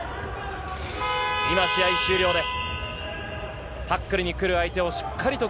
今、試合終了です。